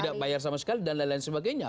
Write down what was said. tidak bayar sama sekali dan lain lain sebagainya